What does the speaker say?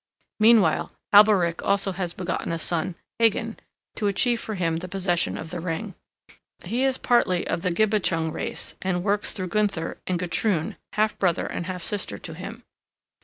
Meanwhile Alberich also has begotten a son, Hagan, to achieve for him the possession of the ring. He is partly of the Gibichung race, and works through Gunther and Gutrune, half brother and half sister to him.